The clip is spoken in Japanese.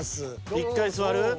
１回座る？